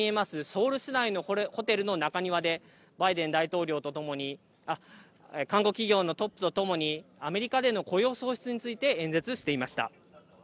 ソウル市内のホテルの中庭で、韓国企業のトップとともにアメリカでの雇用の創出について演説していました。